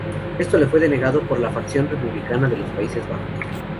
Esto le fue denegado por la facción republicana de los Países Bajos.